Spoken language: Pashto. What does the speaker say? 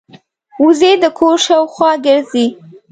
وزې د کور شاوخوا ګرځي